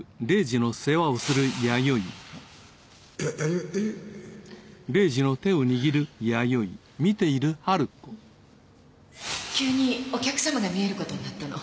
ややや弥生急にお客様がみえることになったの。